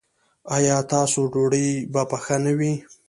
ایا ستاسو ډوډۍ به پخه نه وي؟